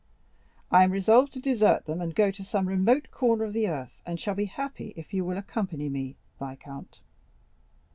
I am resolved to desert them and go to some remote corner of the earth, and shall be happy if you will accompany me, viscount."